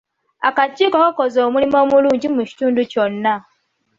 Akakiiko kaakoze omulimu omulungi mu kitundu kyonna